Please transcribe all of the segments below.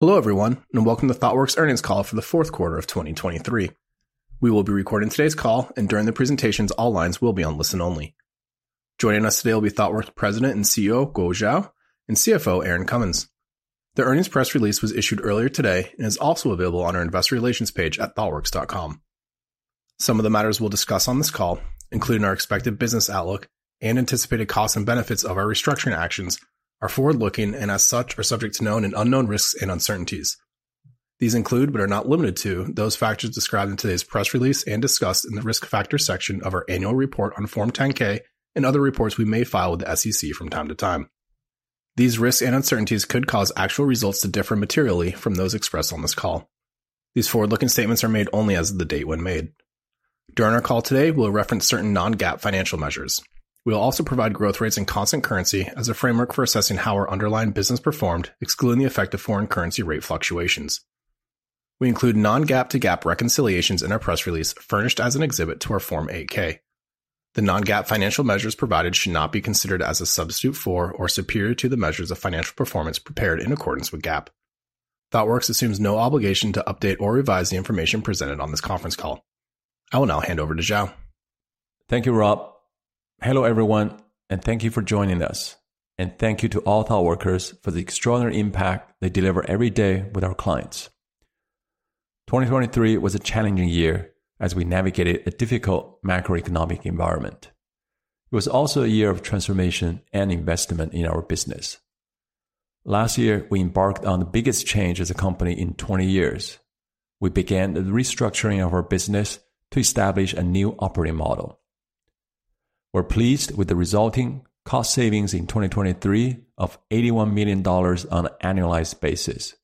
Hello everyone, and welcome to Thoughtworks' earnings call for the fourth quarter of 2023. We will be recording today's call, and during the presentations all lines will be on listen only. Joining us today will be Thoughtworks President and CEO Guo Xiao and CFO Erin Cummins. Their earnings press release was issued earlier today and is also available on our investor relations page at thoughtworks.com. Some of the matters we'll discuss on this call, including our expected business outlook and anticipated costs and benefits of our restructuring actions, are forward-looking and as such are subject to known and unknown risks and uncertainties. These include, but are not limited to, those factors described in today's press release and discussed in the risk factors section of our annual report on Form 10-K and other reports we may file with the SEC from time to time. These risks and uncertainties could cause actual results to differ materially from those expressed on this call. These forward-looking statements are made only as of the date when made. During our call today we will reference certain non-GAAP financial measures. We will also provide growth rates and constant currency as a framework for assessing how our underlying business performed excluding the effect of foreign currency rate fluctuations. We include non-GAAP to GAAP reconciliations in our press release furnished as an exhibit to our Form 8-K. The non-GAAP financial measures provided should not be considered as a substitute for or superior to the measures of financial performance prepared in accordance with GAAP. Thoughtworks assumes no obligation to update or revise the information presented on this conference call. I will now hand over to Xiao. Thank you, Rob. Hello everyone, and thank you for joining us, and thank you to all Thoughtworks for the extraordinary impact they deliver every day with our clients. 2023 was a challenging year as we navigated a difficult macroeconomic environment. It was also a year of transformation and investment in our business. Last year we embarked on the biggest change as a company in 20 years. We began the restructuring of our business to establish a new operating model. We're pleased with the resulting cost savings in 2023 of $81 million on an annualized basis.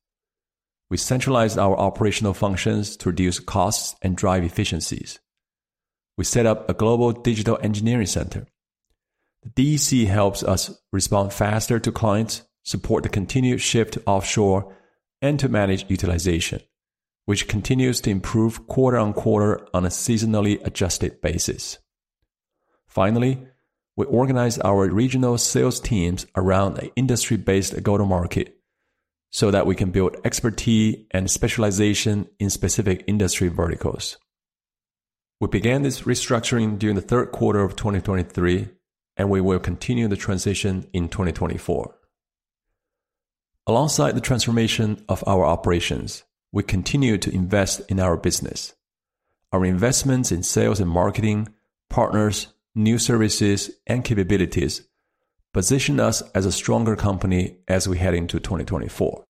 We centralized our operational functions to reduce costs and drive efficiencies. We set up a global digital engineering center. The DEC helps us respond faster to clients, support the continued shift offshore, and to manage utilization, which continues to improve quarter on quarter on a seasonally adjusted basis. Finally, we organized our regional sales teams around an industry-based go-to-market so that we can build expertise and specialization in specific industry verticals. We began this restructuring during the third quarter of 2023, and we will continue the transition in 2024. Alongside the transformation of our operations, we continue to invest in our business. Our investments in sales and marketing, partners, new services, and capabilities position us as a stronger company as we head into 2024.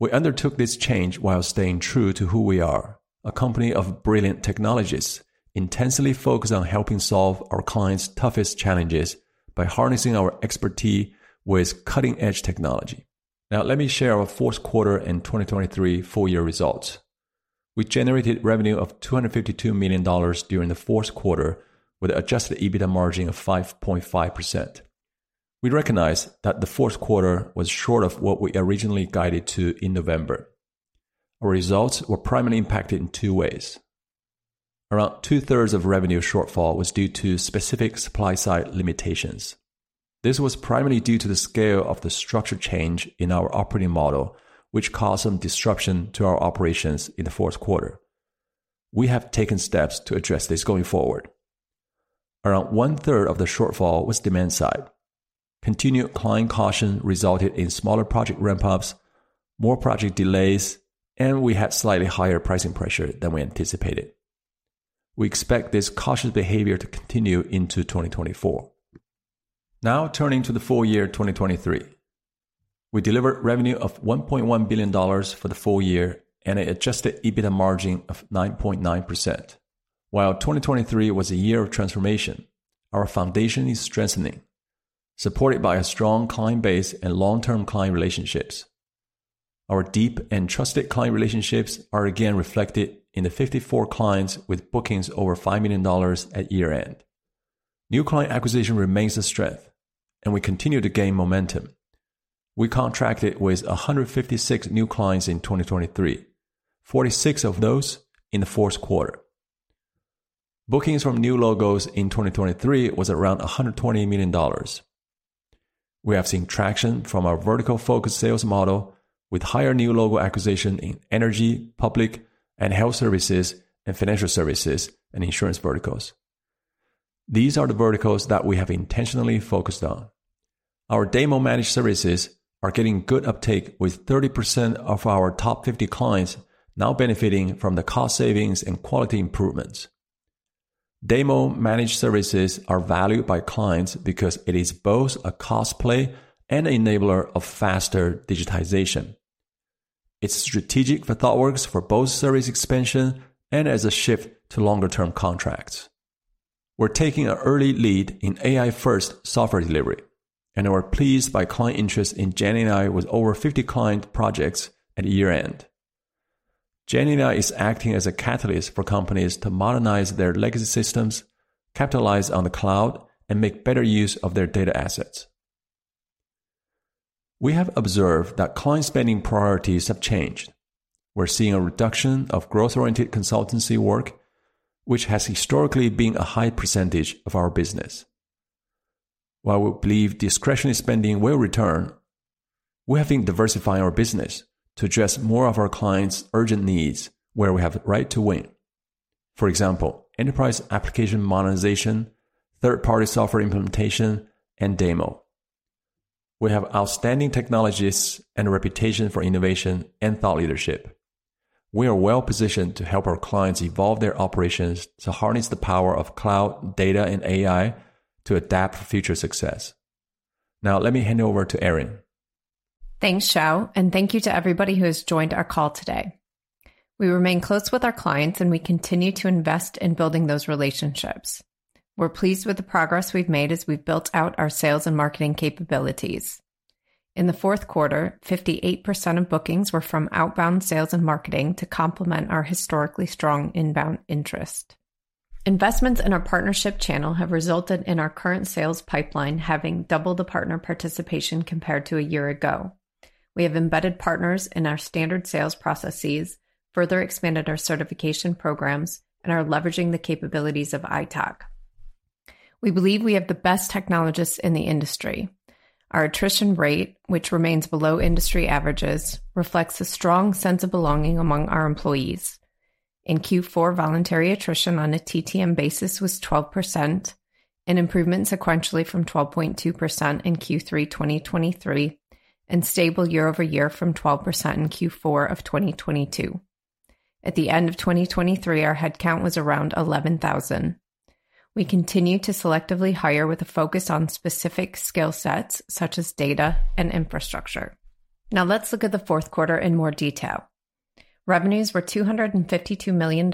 We undertook this change while staying true to who we are: a company of brilliant technologists intensely focused on helping solve our clients' toughest challenges by harnessing our expertise with cutting-edge technology. Now let me share our fourth quarter and 2023 full-year results. We generated revenue of $252 million during the fourth quarter with an Adjusted EBITDA margin of 5.5%. We recognize that the fourth quarter was short of what we originally guided to in November. Our results were primarily impacted in two ways. Around two-thirds of revenue shortfall was due to specific supply-side limitations. This was primarily due to the scale of the structure change in our operating model, which caused some disruption to our operations in the fourth quarter. We have taken steps to address this going forward. Around one-third of the shortfall was demand-side. Continued client caution resulted in smaller project ramp-ups, more project delays, and we had slightly higher pricing pressure than we anticipated. We expect this cautious behavior to continue into 2024. Now, turning to the full-year 2023. We delivered revenue of $1.1 billion for the full year and an adjusted EBITDA margin of 9.9%. While 2023 was a year of transformation, our foundation is strengthening, supported by a strong client base and long-term client relationships. Our deep and trusted client relationships are again reflected in the 54 clients with bookings over $5 million at year-end. New client acquisition remains a strength, and we continue to gain momentum. We contracted with 156 new clients in 2023, 46 of those in the fourth quarter. Bookings from new logos in 2023 were around $120 million. We have seen traction from our vertical-focused sales model with higher new logo acquisition in energy, public and health services, and financial services and insurance verticals. These are the verticals that we have intentionally focused on. Our DAMO-Managed Services are getting good uptake with 30% of our top 50 clients now benefiting from the cost savings and quality improvements. DAMO-Managed Services are valued by clients because it is both a cost saver and an enabler of faster digitization. It's strategic for Thoughtworks for both service expansion and as a shift to longer-term contracts. We're taking an early lead in AI-first software delivery, and we're pleased by client interest in GenAI with over 50 client projects at year-end. GenAI is acting as a catalyst for companies to modernize their legacy systems, capitalize on the cloud, and make better use of their data assets. We have observed that client spending priorities have changed. We're seeing a reduction of growth-oriented consultancy work, which has historically been a high percentage of our business. While we believe discretionary spending will return, we have been diversifying our business to address more of our clients' urgent needs where we have the right to win. For example, enterprise application modernization, third-party software implementation, and DAMO. We have outstanding technologists and a reputation for innovation and thought leadership. We are well positioned to help our clients evolve their operations to harness the power of cloud, data, and AI to adapt for future success. Now let me hand over to Erin. Thanks, Xiao, and thank you to everybody who has joined our call today. We remain close with our clients, and we continue to invest in building those relationships. We're pleased with the progress we've made as we've built out our sales and marketing capabilities. In the fourth quarter, 58% of bookings were from outbound sales and marketing to complement our historically strong inbound interest. Investments in our partnership channel have resulted in our current sales pipeline having doubled the partner participation compared to a year ago. We have embedded partners in our standard sales processes, further expanded our certification programs, and are leveraging the capabilities of Itoc. We believe we have the best technologists in the industry. Our attrition rate, which remains below industry averages, reflects a strong sense of belonging among our employees. In Q4, voluntary attrition on a TTM basis was 12%, an improvement sequentially from 12.2% in Q3 2023, and stable year-over-year from 12% in Q4 of 2022. At the end of 2023, our headcount was around 11,000. We continue to selectively hire with a focus on specific skill sets such as data and infrastructure. Now let's look at the fourth quarter in more detail. Revenues were $252 million,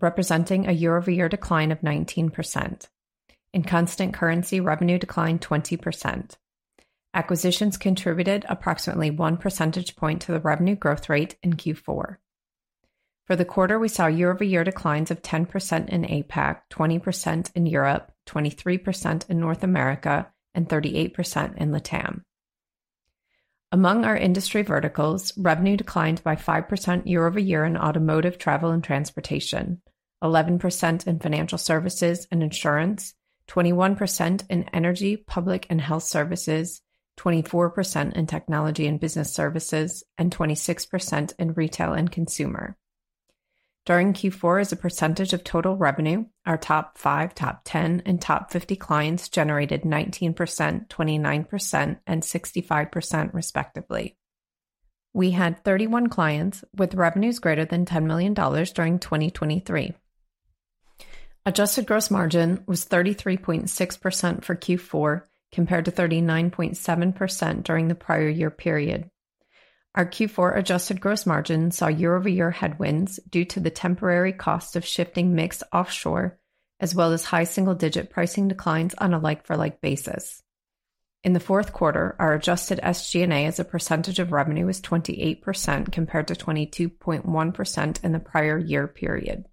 representing a year-over-year decline of 19%. In constant currency, revenue declined 20%. Acquisitions contributed approximately one percentage point to the revenue growth rate in Q4. For the quarter, we saw year-over-year declines of 10% in APAC, 20% in Europe, 23% in North America, and 38% in LATAM. Among our industry verticals, revenue declined by 5% year-over-year in automotive, travel, and transportation, 11% in financial services and insurance, 21% in energy, public and health services, 24% in technology and business services, and 26% in retail and consumer. During Q4, as a percentage of total revenue, our top 5, top 10, and top 50 clients generated 19%, 29%, and 65% respectively. We had 31 clients with revenues greater than $10 million during 2023. Adjusted gross margin was 33.6% for Q4 compared to 39.7% during the prior year period. Our Q4 adjusted gross margin saw year-over-year headwinds due to the temporary cost of shifting mix offshore as well as high single-digit pricing declines on a like-for-like basis. In the fourth quarter, our adjusted SG&A as a percentage of revenue was 28% compared to 22.1% in the prior year period.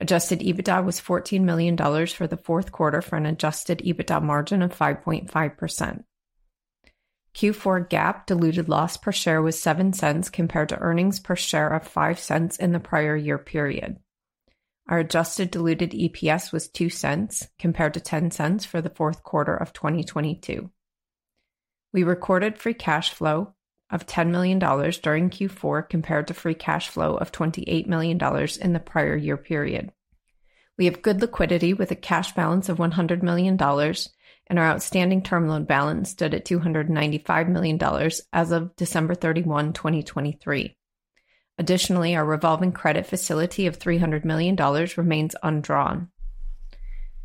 Adjusted EBITDA was $14 million for the fourth quarter for an adjusted EBITDA margin of 5.5%. Q4 GAAP diluted loss per share was $0.07 compared to earnings per share of $0.05 in the prior year period. Our adjusted diluted EPS was $0.02 compared to $0.10 for the fourth quarter of 2022. We recorded free cash flow of $10 million during Q4 compared to free cash flow of $28 million in the prior year period. We have good liquidity with a cash balance of $100 million and our outstanding term loan balance stood at $295 million as of December 31, 2023. Additionally, our revolving credit facility of $300 million remains undrawn.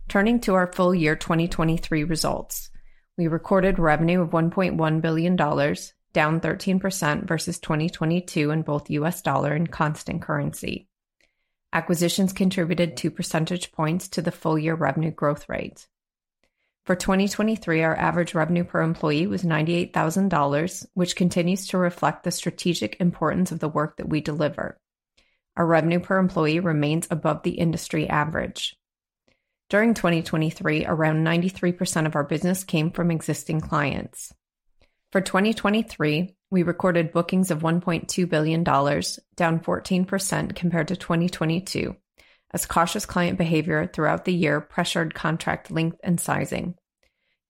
Turning to our full-year 2023 results. We recorded revenue of $1.1 billion, down 13% versus 2022 in both US dollar and constant currency. Acquisitions contributed two percentage points to the full-year revenue growth rate. For 2023, our average revenue per employee was $98,000, which continues to reflect the strategic importance of the work that we deliver. Our revenue per employee remains above the industry average. During 2023, around 93% of our business came from existing clients. For 2023, we recorded bookings of $1.2 billion, down 14% compared to 2022, as cautious client behavior throughout the year pressured contract length and sizing.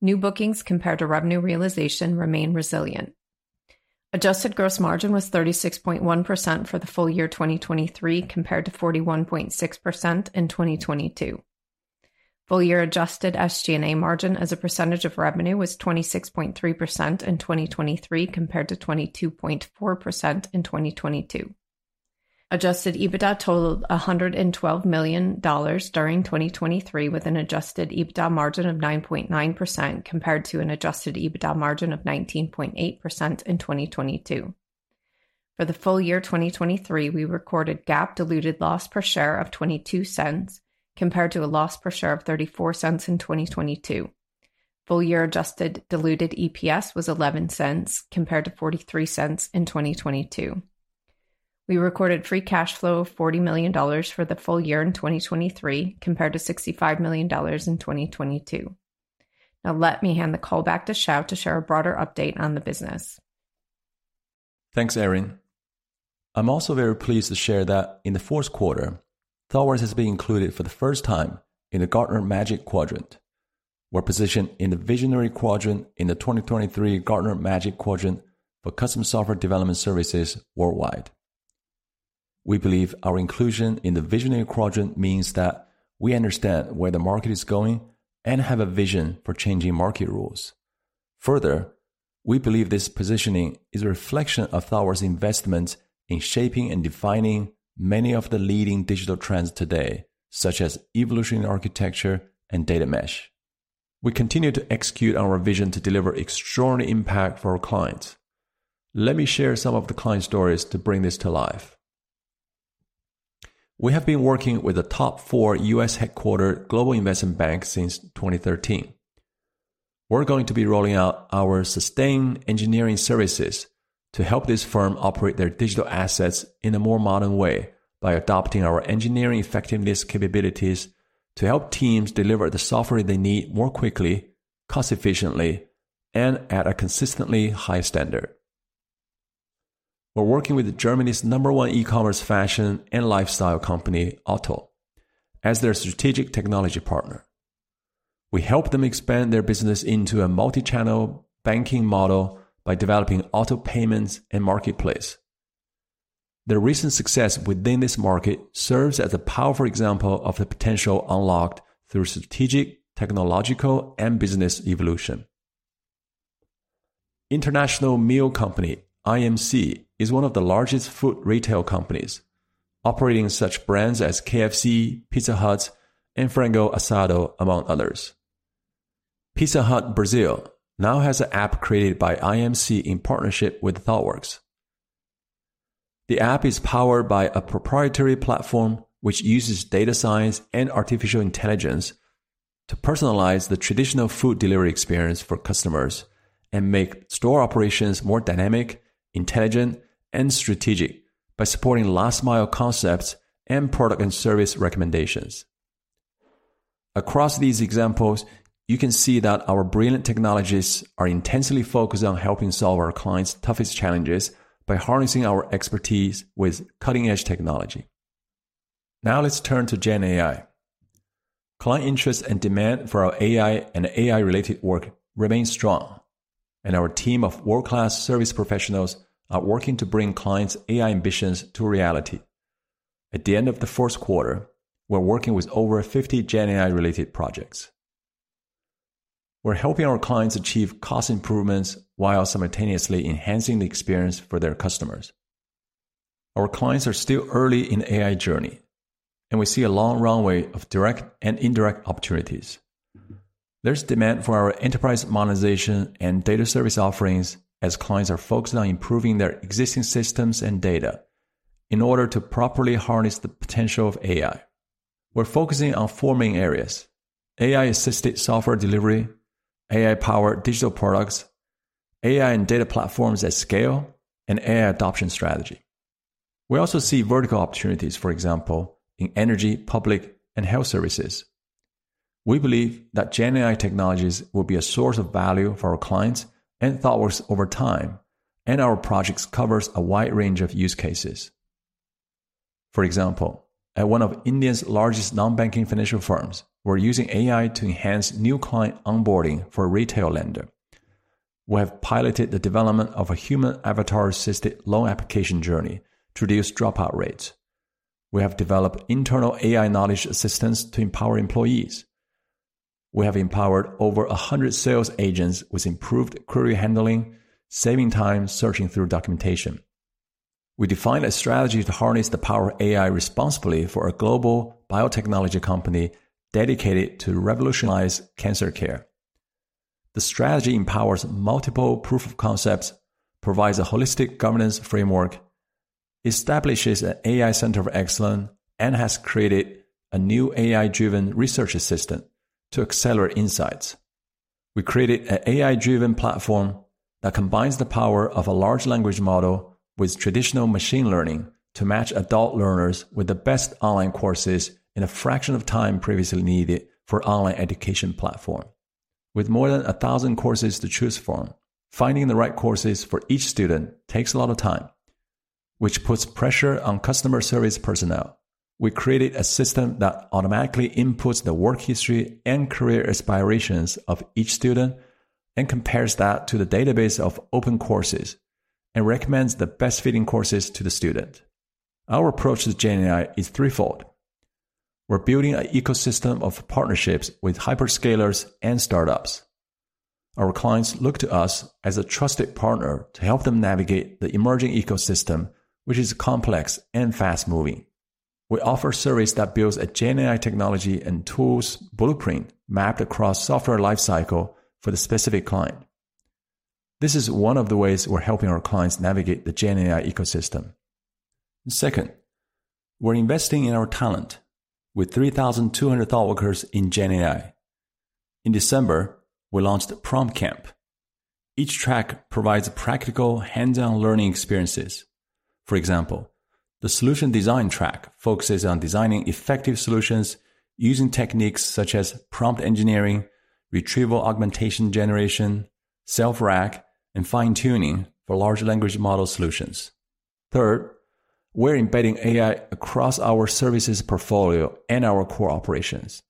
New bookings compared to revenue realization remain resilient. Adjusted gross margin was 36.1% for the full year 2023 compared to 41.6% in 2022. Full-year adjusted SG&A margin as a percentage of revenue was 26.3% in 2023 compared to 22.4% in 2022. Adjusted EBITDA totaled $112 million during 2023 with an adjusted EBITDA margin of 9.9% compared to an adjusted EBITDA margin of 19.8% in 2022. For the full year 2023, we recorded GAAP diluted loss per share of $0.22 compared to a loss per share of $0.34 in 2022. Full-year adjusted diluted EPS was $0.11 compared to $0.43 in 2022. We recorded free cash flow of $40 million for the full year in 2023 compared to $65 million in 2022. Now let me hand the call back to Xiao to share a broader update on the business. Thanks, Erin. I'm also very pleased to share that in the fourth quarter, Thoughtworks has been included for the first time in the Gartner Magic Quadrant. We're positioned in the visionary quadrant in the 2023 Gartner Magic Quadrant for custom software development services worldwide. We believe our inclusion in the visionary quadrant means that we understand where the market is going and have a vision for changing market rules. Further, we believe this positioning is a reflection of Thoughtworks' investments in shaping and defining many of the leading digital trends today, such as Evolutionary Architecture and Data Mesh. We continue to execute on our vision to deliver extraordinary impact for our clients. Let me share some of the client stories to bring this to life. We have been working with the top four U.S. headquartered global investment banks since 2013. We're going to be rolling out our Sustain Engineering services to help this firm operate their digital assets in a more modern way by adopting our engineering effectiveness capabilities to help teams deliver the software they need more quickly, cost-efficiently, and at a consistently high standard. We're working with Germany's number one e-commerce fashion and lifestyle company, OTTO, as their strategic technology partner. We help them expand their business into a multi-channel banking model by developing auto payments and marketplace. Their recent success within this market serves as a powerful example of the potential unlocked through strategic, technological, and business evolution. International Meal Company (IMC) is one of the largest food retail companies, operating such brands as KFC, Pizza Hut, and Frango Assado, among others. Pizza Hut Brazil now has an app created by IMC in partnership with Thoughtworks. The app is powered by a proprietary platform which uses data science and artificial intelligence to personalize the traditional food delivery experience for customers and make store operations more dynamic, intelligent, and strategic by supporting last-mile concepts and product and service recommendations. Across these examples, you can see that our brilliant technologists are intensely focused on helping solve our clients' toughest challenges by harnessing our expertise with cutting-edge technology. Now let's turn to GenAI. Client interest and demand for our AI and AI-related work remain strong, and our team of world-class service professionals are working to bring clients' AI ambitions to reality. At the end of the fourth quarter, we're working with over 50 GenAI-related projects. We're helping our clients achieve cost improvements while simultaneously enhancing the experience for their customers. Our clients are still early in the AI journey, and we see a long runway of direct and indirect opportunities. There's demand for our enterprise modernization and data service offerings as clients are focused on improving their existing systems and data in order to properly harness the potential of AI. We're focusing on four main areas: AI-assisted software delivery, AI-powered digital products, AI and data platforms at scale, and AI adoption strategy. We also see vertical opportunities, for example, in energy, public, and health services. We believe that GenAI technologies will be a source of value for our clients and Thoughtworks over time, and our projects cover a wide range of use cases. For example, at one of India's largest non-banking financial firms, we're using AI to enhance new client onboarding for a retail lender. We have piloted the development of a human avatar-assisted loan application journey to reduce dropout rates. We have developed internal AI knowledge assistance to empower employees. We have empowered over 100 sales agents with improved query handling, saving time searching through documentation. We defined a strategy to harness the power of AI responsibly for a global biotechnology company dedicated to revolutionize cancer care. The strategy empowers multiple proof of concepts, provides a holistic governance framework, establishes an AI center of excellence, and has created a new AI-driven research assistant to accelerate insights. We created an AI-driven platform that combines the power of a large language model with traditional machine learning to match adult learners with the best online courses in a fraction of time previously needed for online education platforms. With more than 1,000 courses to choose from, finding the right courses for each student takes a lot of time, which puts pressure on customer service personnel. We created a system that automatically inputs the work history and career aspirations of each student and compares that to the database of open courses and recommends the best-fitting courses to the student. Our approach to GenAI is threefold. We're building an ecosystem of partnerships with hyperscalers and startups. Our clients look to us as a trusted partner to help them navigate the emerging ecosystem, which is complex and fast-moving. We offer services that build a GenAI technology and tools blueprint mapped across the software lifecycle for the specific client. This is one of the ways we're helping our clients navigate the GenAI ecosystem. Second, we're investing in our talent. With 3,200 ThoughtWorkers in GenAI. In December, we launched Prompt Camp. Each track provides practical, hands-on learning experiences. For example, the Solution Design track focuses on designing effective solutions using techniques such as prompt engineering, retrieval augmented generation, self-RAG, and fine-tuning for large language model solutions. Third, we're embedding AI across our services portfolio and our core operations.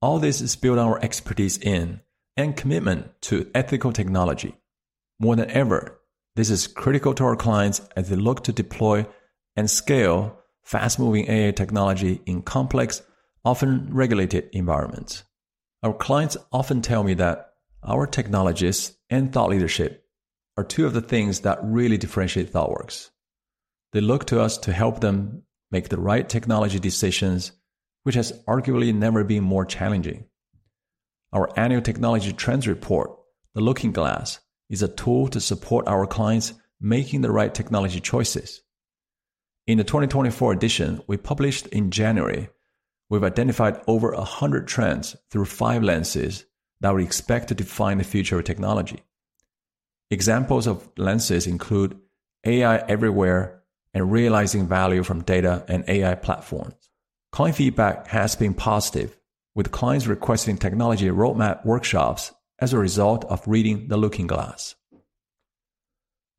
All this is built on our expertise in and commitment to ethical technology. More than ever, this is critical to our clients as they look to deploy and scale fast-moving AI technology in complex, often regulated environments. Our clients often tell me that our technologists and thought leadership are two of the things that really differentiate Thoughtworks. They look to us to help them make the right technology decisions, which has arguably never been more challenging. Our annual technology trends report, The Looking Glass, is a tool to support our clients making the right technology choices. In the 2024 edition we published in January, we've identified over 100 trends through five lenses that we expect to define the future of technology. Examples of lenses include AI everywhere and realizing value from data and AI platforms. Client feedback has been positive, with clients requesting technology roadmap workshops as a result of reading The Looking Glass.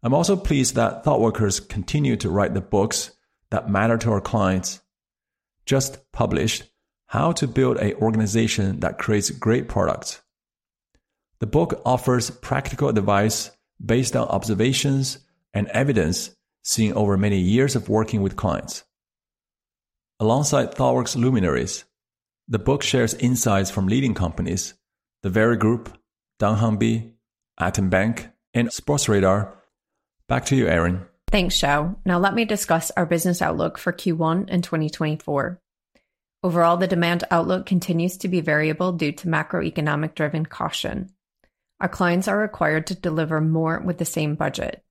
I'm also pleased that Thoughtworkers continue to write the books that matter to our clients, just published How to Build an Organization That Creates Great Products. The book offers practical advice based on observations and evidence seen over many years of working with clients. Alongside Thoughtworks Luminaries, the book shares insights from leading companies, The Very Group, dunnhumby, Atom Bank, and Sportradar. Back to you, Erin. Thanks, Xiao. Now, let me discuss our business outlook for Q1 in 2024. Overall, the demand outlook continues to be variable due to macroeconomic-driven caution. Our clients are required to deliver more with the same budget.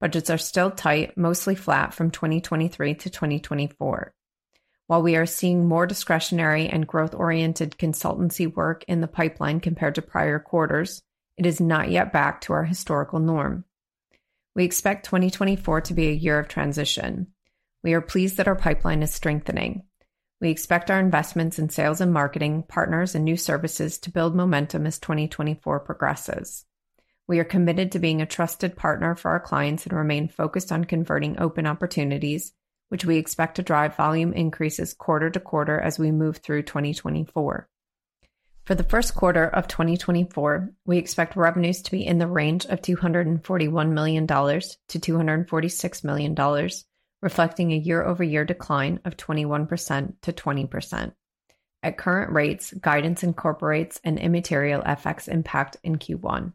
Budgets are still tight, mostly flat from 2023 to 2024. While we are seeing more discretionary and growth-oriented consultancy work in the pipeline compared to prior quarters, it is not yet back to our historical norm. We expect 2024 to be a year of transition. We are pleased that our pipeline is strengthening. We expect our investments in sales and marketing, partners, and new services to build momentum as 2024 progresses. We are committed to being a trusted partner for our clients and remain focused on converting open opportunities, which we expect to drive volume increases quarter to quarter as we move through 2024. For the first quarter of 2024, we expect revenues to be in the range of $241 million-$246 million, reflecting a year-over-year decline of 21%-20%. At current rates, guidance incorporates an immaterial effects impact in Q1.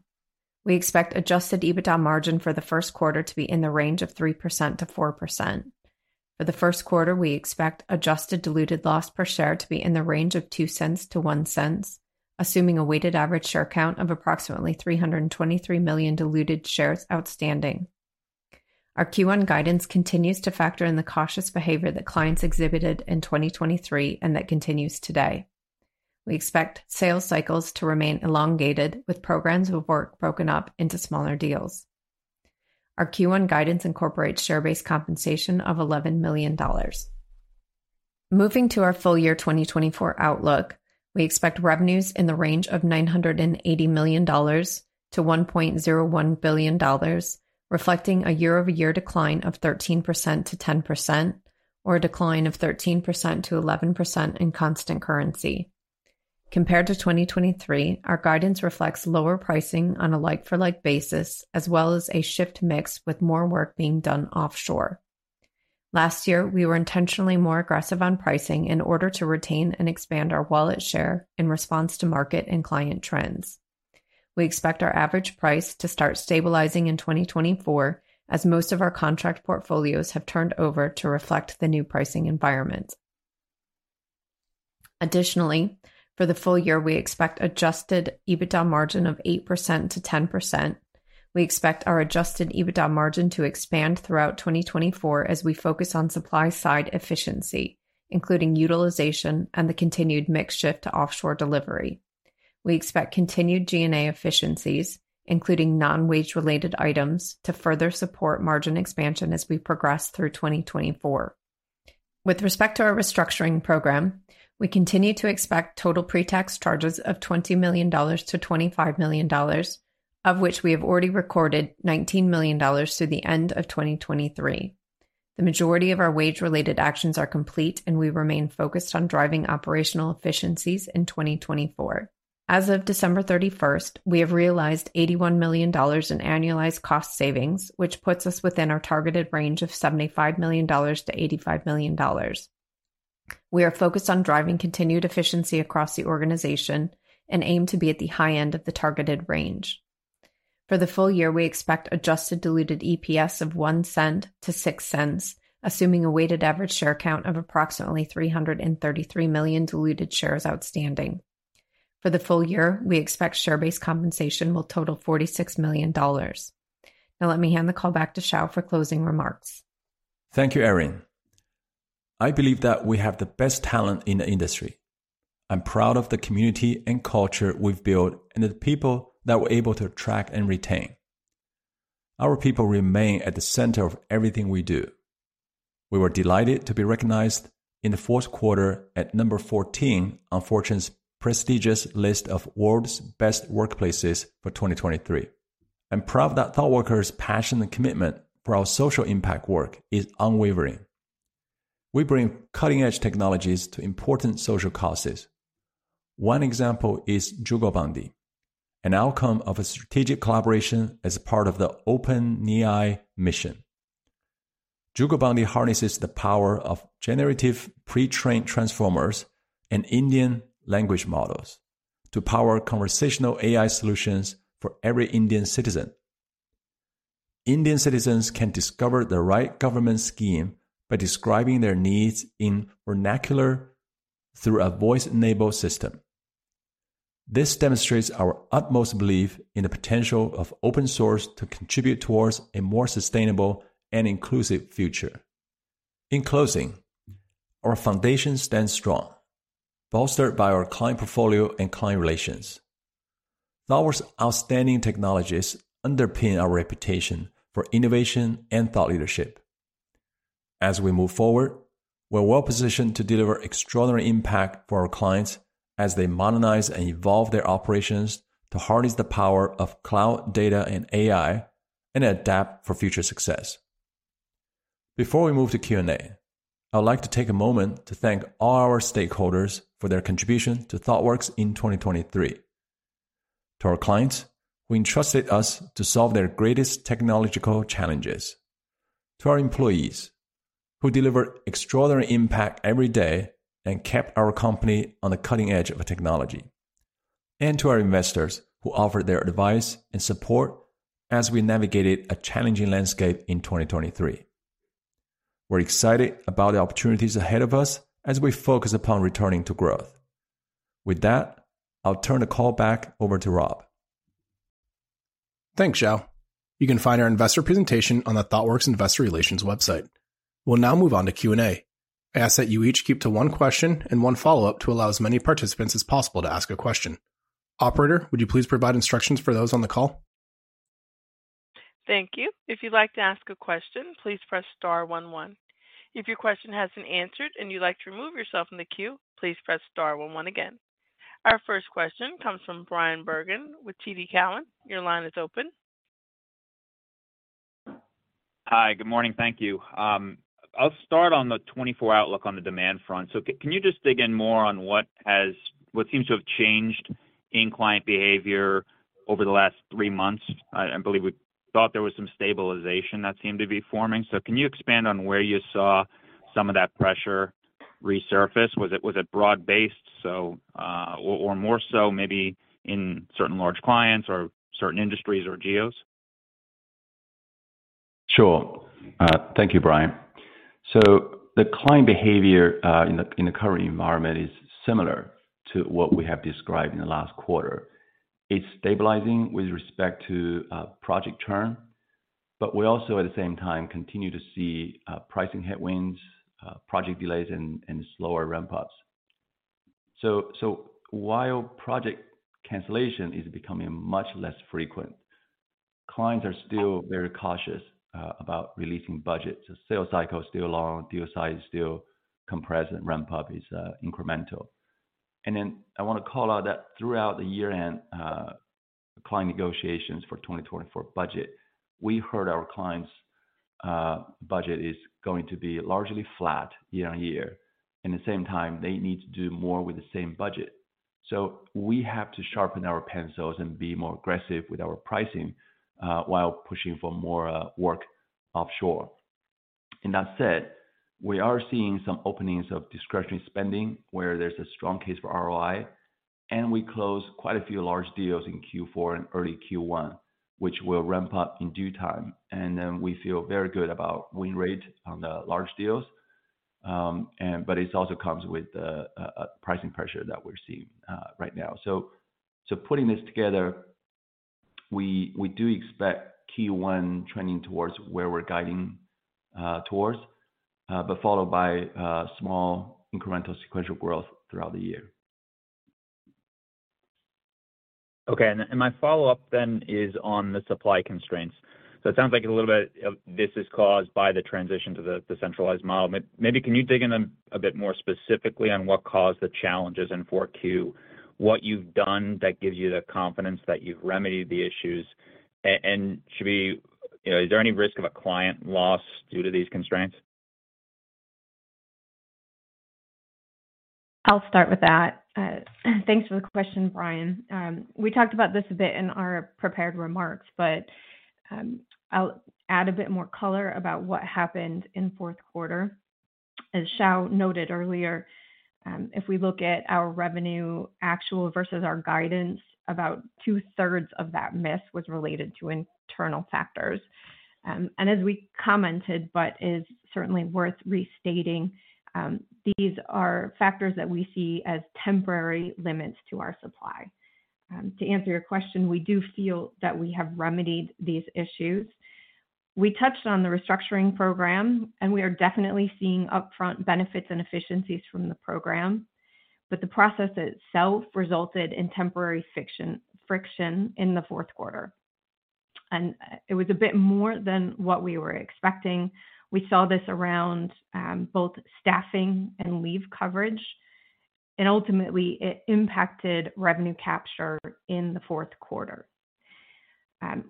We expect Adjusted EBITDA margin for the first quarter to be in the range of 3%-4%. For the first quarter, we expect adjusted diluted loss per share to be in the range of $0.02-$0.01, assuming a weighted average share count of approximately 323 million diluted shares outstanding. Our Q1 guidance continues to factor in the cautious behavior that clients exhibited in 2023 and that continues today. We expect sales cycles to remain elongated, with programs of work broken up into smaller deals. Our Q1 guidance incorporates share-based compensation of $11 million. Moving to our full year 2024 outlook, we expect revenues in the range of $980 million-$1.01 billion, reflecting a year-over-year decline of 13%-10% or a decline of 13%-11% in constant currency. Compared to 2023, our guidance reflects lower pricing on a like-for-like basis, as well as a shift mix with more work being done offshore. Last year, we were intentionally more aggressive on pricing in order to retain and expand our wallet share in response to market and client trends. We expect our average price to start stabilizing in 2024, as most of our contract portfolios have turned over to reflect the new pricing environment. Additionally, for the full year, we expect adjusted EBITDA margin of 8%-10%. We expect our Adjusted EBITDA margin to expand throughout 2024 as we focus on supply-side efficiency, including utilization and the continued mix shift to offshore delivery. We expect continued G&A efficiencies, including non-wage-related items, to further support margin expansion as we progress through 2024. With respect to our restructuring program, we continue to expect total pretax charges of $20 million-$25 million, of which we have already recorded $19 million through the end of 2023. The majority of our wage-related actions are complete, and we remain focused on driving operational efficiencies in 2024. As of December 31st, we have realized $81 million in annualized cost savings, which puts us within our targeted range of $75 million-$85 million. We are focused on driving continued efficiency across the organization and aim to be at the high end of the targeted range. For the full year, we expect adjusted diluted EPS of $0.01-$0.06, assuming a weighted average share count of approximately 333 million diluted shares outstanding. For the full year, we expect share-based compensation will total $46 million. Now, let me hand the call back to Xiao for closing remarks. Thank you, Erin. I believe that we have the best talent in the industry. I'm proud of the community and culture we've built and the people that we're able to attract and retain. Our people remain at the center of everything we do. We were delighted to be recognized in the fourth quarter at number 14 on Fortune's prestigious list of world's best workplaces for 2023. I'm proud that Thoughtworkers' passion and commitment for our social impact work is unwavering. We bring cutting-edge technologies to important social causes. One example is Jugalbandi, an outcome of a strategic collaboration as part of the OpenAI mission. Jugalbandi harnesses the power of generative pre-trained transformers and Indian language models to power conversational AI solutions for every Indian citizen. Indian citizens can discover the right government scheme by describing their needs in vernacular through a voice-enabled system. This demonstrates our utmost belief in the potential of open source to contribute toward a more sustainable and inclusive future. In closing, our foundation stands strong, bolstered by our client portfolio and client relations. Thoughtworks' outstanding technologies underpin our reputation for innovation and thought leadership. As we move forward, we're well-positioned to deliver extraordinary impact for our clients as they modernize and evolve their operations to harness the power of cloud data and AI and adapt for future success. Before we move to Q&A, I'd like to take a moment to thank all our stakeholders for their contribution to Thoughtworks in 2023. To our clients, who entrusted us to solve their greatest technological challenges. To our employees, who delivered extraordinary impact every day and kept our company on the cutting edge of technology. To our investors, who offered their advice and support as we navigated a challenging landscape in 2023. We're excited about the opportunities ahead of us as we focus upon returning to growth. With that, I'll turn the call back over to Rob. Thanks, Xiao. You can find our investor presentation on the Thoughtworks Investor Relations website. We'll now move on to Q&A. I ask that you each keep to one question and one follow-up to allow as many participants as possible to ask a question. Operator, would you please provide instructions for those on the call? Thank you. If you'd like to ask a question, please press star one one. If your question hasn't answered and you'd like to remove yourself from the queue, please press star one one again. Our first question comes from Bryan Bergen with TD Cowen. Your line is open. Hi, good morning. Thank you. I'll start on the 2024 outlook on the demand front. So can you just dig in more on what seems to have changed in client behavior over the last three months? I believe we thought there was some stabilization that seemed to be forming. So can you expand on where you saw some of that pressure resurface? Was it broad-based, or more so maybe in certain large clients or certain industries or geos? Sure. Thank you, Bryan. So the client behavior in the current environment is similar to what we have described in the last quarter. It's stabilizing with respect to project turn, but we also, at the same time, continue to see pricing headwinds, project delays, and slower ramp-ups. So while project cancellation is becoming much less frequent, clients are still very cautious about releasing budgets. Sales cycle is still long, deal size is still compressed, and ramp-up is incremental. And then I want to call out that throughout the year-end client negotiations for the 2024 budget, we heard our clients' budget is going to be largely flat year-over-year. At the same time, they need to do more with the same budget. So we have to sharpen our pencils and be more aggressive with our pricing while pushing for more work offshore. That said, we are seeing some openings of discretionary spending where there's a strong case for ROI, and we closed quite a few large deals in Q4 and early Q1, which will ramp up in due time. And then we feel very good about win rate on the large deals, but it also comes with the pricing pressure that we're seeing right now. So putting this together, we do expect Q1 trending towards where we're guiding towards, but followed by small incremental sequential growth throughout the year. Okay. My follow-up then is on the supply constraints. So it sounds like a little bit of this is caused by the transition to the centralized model. Maybe can you dig in a bit more specifically on what caused the challenges in fourth Q, what you've done that gives you the confidence that you've remedied the issues? And is there any risk of a client loss due to these constraints? I'll start with that. Thanks for the question, Bryan. We talked about this a bit in our prepared remarks, but I'll add a bit more color about what happened in fourth quarter. As Xiao noted earlier, if we look at our revenue actual versus our guidance, about two-thirds of that miss was related to internal factors. As we commented, but is certainly worth restating, these are factors that we see as temporary limits to our supply. To answer your question, we do feel that we have remedied these issues. We touched on the restructuring program, and we are definitely seeing upfront benefits and efficiencies from the program, but the process itself resulted in temporary friction in the fourth quarter. It was a bit more than what we were expecting. We saw this around both staffing and leave coverage, and ultimately, it impacted revenue capture in the fourth quarter.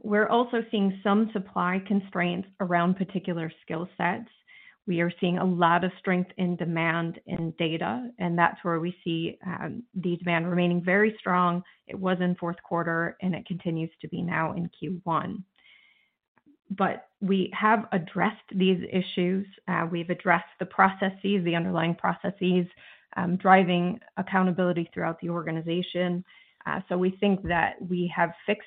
We're also seeing some supply constraints around particular skill sets. We are seeing a lot of strength in demand and data, and that's where we see the demand remaining very strong. It was in fourth quarter, and it continues to be now in Q1. But we have addressed these issues. We've addressed the processes, the underlying processes, driving accountability throughout the organization. So we think that we have fixed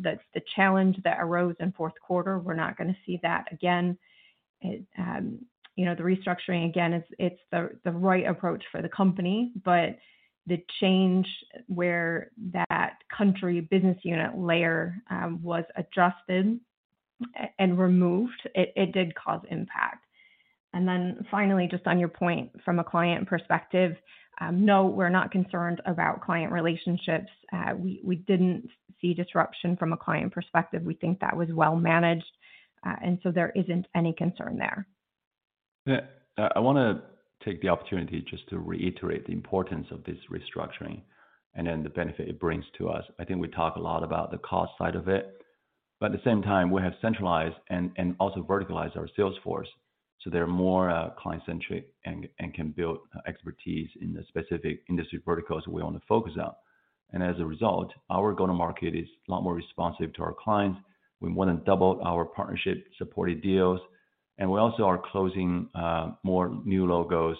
the challenge that arose in fourth quarter. We're not going to see that again. The restructuring, again, it's the right approach for the company, but the change where that country business unit layer was adjusted and removed, it did cause impact. And then finally, just on your point from a client perspective, no, we're not concerned about client relationships. We didn't see disruption from a client perspective. We think that was well-managed, and so there isn't any concern there. I want to take the opportunity just to reiterate the importance of this restructuring and then the benefit it brings to us. I think we talk a lot about the cost side of it, but at the same time, we have centralized and also verticalized our sales force, so they're more client-centric and can build expertise in the specific industry verticals we want to focus on. And as a result, our go-to-market is a lot more responsive to our clients. We more than doubled our partnership-supported deals, and we also are closing more new logos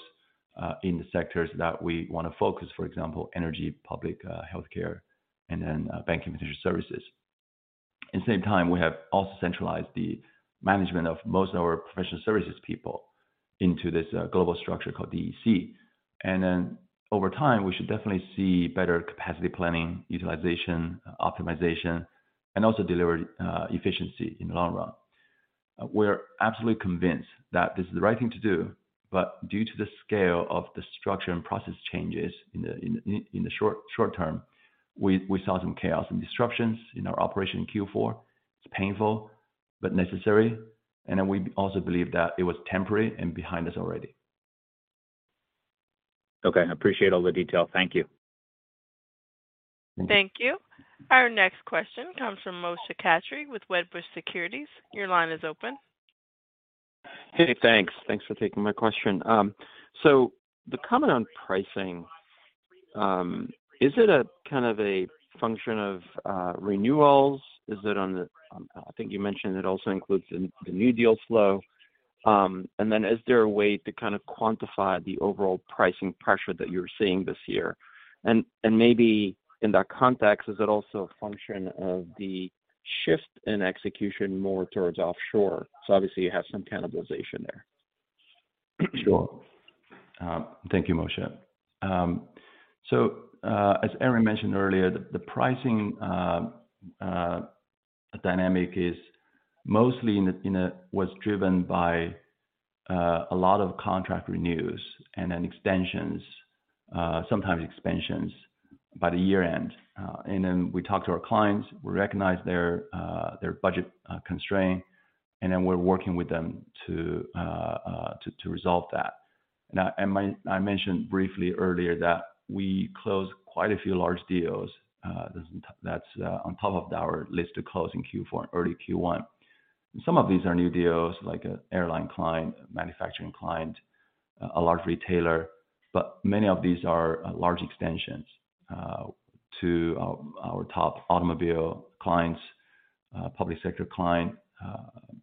in the sectors that we want to focus, for example, energy, public healthcare, and then banking financial services. At the same time, we have also centralized the management of most of our professional services people into this global structure called DEC. Then over time, we should definitely see better capacity planning, utilization, optimization, and also delivered efficiency in the long run. We're absolutely convinced that this is the right thing to do, but due to the scale of the structure and process changes in the short term, we saw some chaos and disruptions in our operation in Q4. It's painful, but necessary. Then we also believe that it was temporary and behind us already. Okay. I appreciate all the detail. Thank you. Thank you. Our next question comes from Moshe Katri with Wedbush Securities. Your line is open. Hey, thanks. Thanks for taking my question. So the comment on pricing, is it kind of a function of renewals? Is it on the I think you mentioned it also includes the new deal flow. And then is there a way to kind of quantify the overall pricing pressure that you're seeing this year? And maybe in that context, is it also a function of the shift in execution more towards offshore? So obviously, you have some cannibalization there. Sure. Thank you, Moshe. So as Erin mentioned earlier, the pricing dynamic is mostly was driven by a lot of contract renews and then extensions, sometimes expansions, by the year-end. And then we talk to our clients. We recognize their budget constraint, and then we're working with them to resolve that. And I mentioned briefly earlier that we closed quite a few large deals. That's on top of our list to close in Q4 and early Q1. Some of these are new deals like an airline client, manufacturing client, a large retailer, but many of these are large extensions to our top automobile clients, public sector client,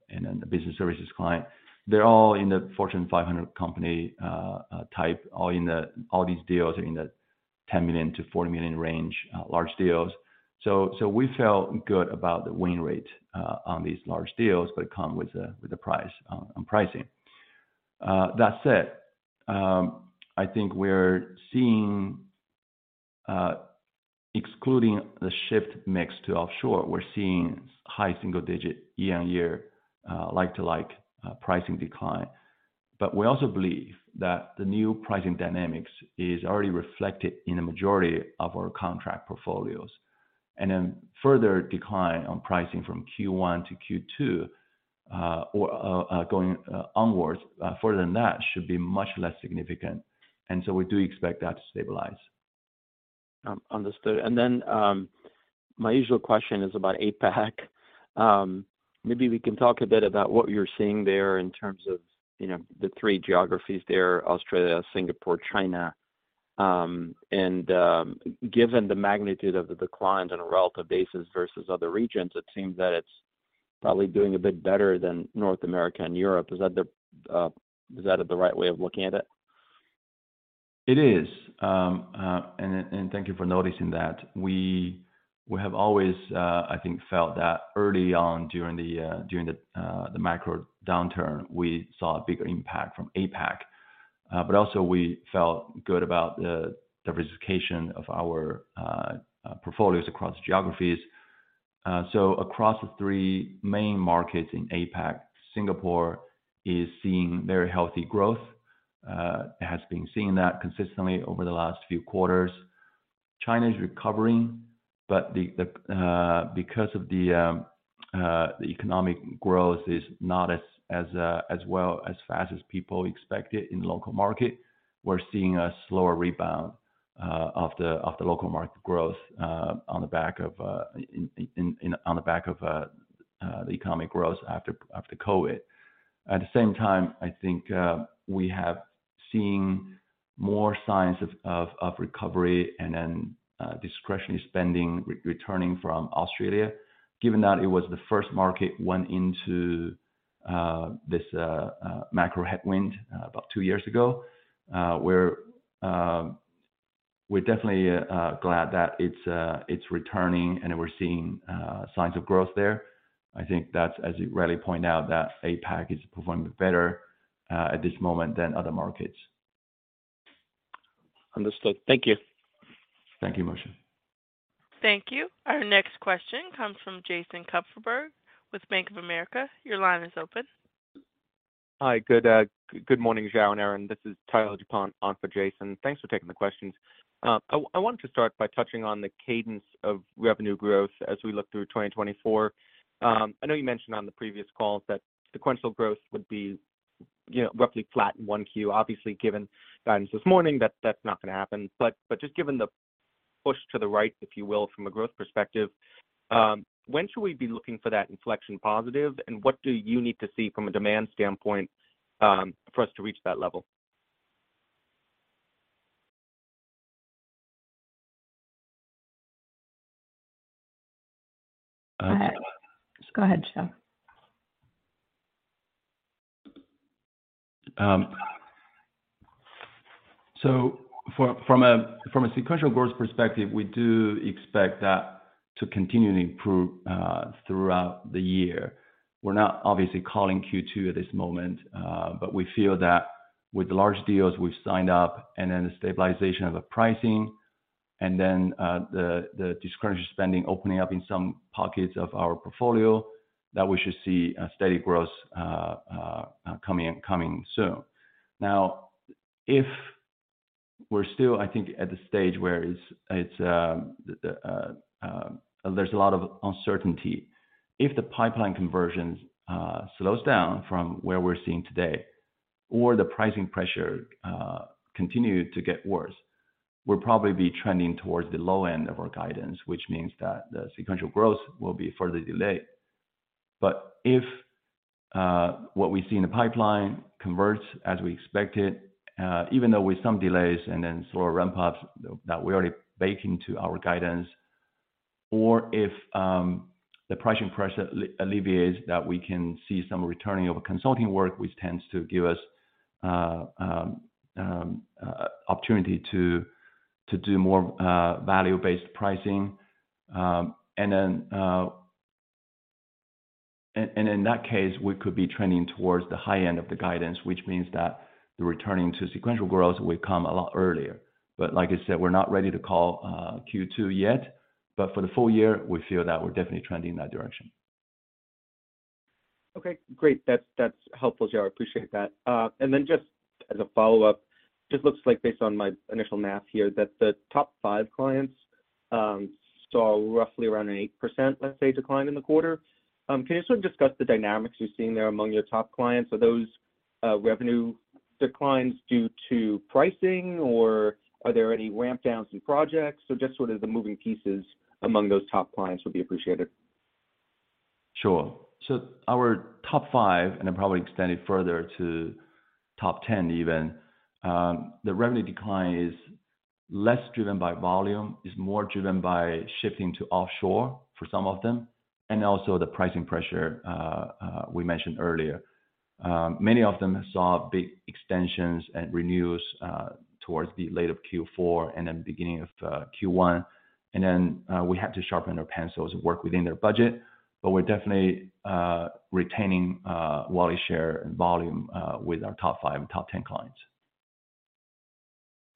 and then the business services client. They're all in the Fortune 500 company type. All these deals are in the $10 million-$40 million range large deals. So we felt good about the win rate on these large deals, but it comes with the price. That said, I think we're seeing, excluding the shift mix to offshore, high single-digit year-on-year like-to-like pricing decline. But we also believe that the new pricing dynamics is already reflected in the majority of our contract portfolios. And then further decline on pricing from Q1-Q2 going onwards, further than that, should be much less significant. And so we do expect that to stabilize. Understood. And then my usual question is about APAC. Maybe we can talk a bit about what you're seeing there in terms of the three geographies there: Australia, Singapore, China. And given the magnitude of the decline on a relative basis versus other regions, it seems that it's probably doing a bit better than North America and Europe. Is that the right way of looking at it? It is. And thank you for noticing that. We have always, I think, felt that early on during the macro downturn, we saw a bigger impact from APAC. But also, we felt good about the diversification of our portfolios across geographies. So across the three main markets in APAC, Singapore is seeing very healthy growth. It has been seeing that consistently over the last few quarters. China is recovering, but because the economic growth is not as well as fast as people expected in the local market, we're seeing a slower rebound of the local market growth on the back of the economic growth after COVID. At the same time, I think we have seen more signs of recovery and then discretionary spending returning from Australia, given that it was the first market went into this macro headwind about two years ago. We're definitely glad that it's returning, and we're seeing signs of growth there. I think that's, as you rightly point out, that APAC is performing better at this moment than other markets. Understood. Thank you. Thank you, Moshe. Thank you. Our next question comes from Jason Kupferberg with Bank of America. Your line is open. Hi. Good morning, Xiao and Erin. This is Tyler DuPont, on for Jason. Thanks for taking the questions. I wanted to start by touching on the cadence of revenue growth as we look through 2024. I know you mentioned on the previous calls that sequential growth would be roughly flat in Q1. Obviously, given guidance this morning, that's not going to happen. But just given the push to the right, if you will, from a growth perspective, when should we be looking for that inflection positive, and what do you need to see from a demand standpoint for us to reach that level? Just go ahead, Xiao. So from a sequential growth perspective, we do expect that to continue to improve throughout the year. We're not obviously calling Q2 at this moment, but we feel that with the large deals we've signed up and then the stabilization of the pricing and then the discretionary spending opening up in some pockets of our portfolio, that we should see steady growth coming soon. Now, if we're still, I think, at the stage where there's a lot of uncertainty, if the pipeline conversions slow down from where we're seeing today or the pricing pressure continue to get worse, we'll probably be trending towards the low end of our guidance, which means that the sequential growth will be further delayed. But if what we see in the pipeline converts as we expected, even though with some delays and then slower ramp-ups that we already bake into our guidance, or if the pricing pressure alleviates that we can see some returning of consulting work, which tends to give us opportunity to do more value-based pricing. And then in that case, we could be trending towards the high end of the guidance, which means that the returning to sequential growth will come a lot earlier. But like I said, we're not ready to call Q2 yet. But for the full year, we feel that we're definitely trending in that direction. Okay. Great. That's helpful, Xiao. I appreciate that. And then just as a follow-up, it just looks like based on my initial math here that the top five clients saw roughly around an 8%, let's say, decline in the quarter. Can you sort of discuss the dynamics you're seeing there among your top clients? Are those revenue declines due to pricing, or are there any rampdowns in projects? So just sort of the moving pieces among those top clients would be appreciated. Sure. So our top 5, and I'll probably extend it further to top 10 even, the revenue decline is less driven by volume, is more driven by shifting to offshore for some of them, and also the pricing pressure we mentioned earlier. Many of them saw big extensions and renews towards the late of Q4 and then beginning of Q1. And then we had to sharpen our pencils and work within their budget, but we're definitely retaining wallet share and volume with our top 5 and top 10 clients.